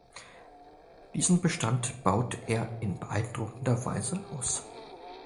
Diesen Bestand baute er in beeindruckender Weise aus.